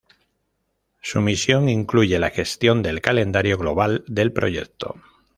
Su misión incluye la gestión del calendario global del proyecto.